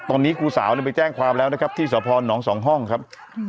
ตอนนี้ครูสาวไปแจ้งความแล้วนะครับที่สพนสองห้องครับ